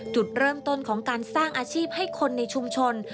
จุดเริ่มต้นของการสร้างอาชีพให้คนในชุมชน